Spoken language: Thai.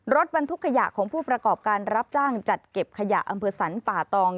รถบรรทุกขยะของผู้ประกอบการรับจ้างจัดเก็บขยะอำเภอสรรป่าตอง